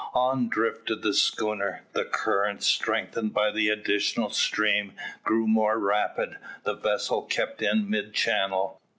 On drifted the schooner. The current, strengthened by the additional stream, grew more rapid. The vessel kept in mid channel.